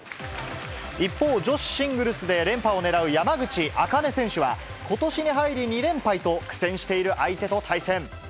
一方、女子シングルスで連覇を狙う山口茜選手は、ことしに入り２連敗と苦戦している相手と対戦。